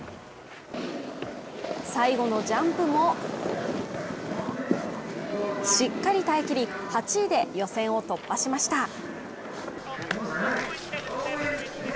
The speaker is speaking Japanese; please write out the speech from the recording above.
最後のジャンプもしっかり耐えきり８位で予選を突破しました。